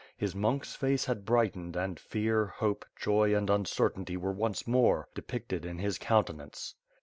His monk's face had brightened and fear, hope, joy and uncertainty were once more depicted in his countenance.